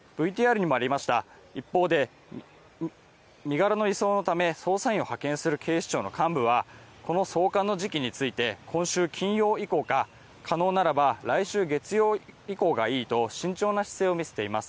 一方で、身柄の移送のため捜査員を派遣する警視庁の幹部はこの送還の時期について今週金曜以降か、可能ならば来週月曜以降がいいと慎重な姿勢を見せています。